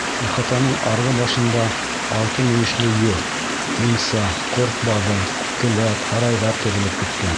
Ихатаның арғы башында алты мөйөшлө йорт, мунса, ҡорт баҙы, келәт, һарайҙар теҙелеп киткән.